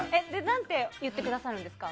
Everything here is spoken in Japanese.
何て言ってくださるんですか？